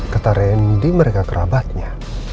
kata rendi mereka kerebatnya